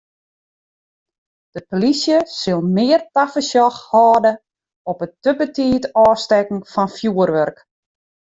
De polysje sil mear tafersjoch hâlde op it te betiid ôfstekken fan fjoerwurk.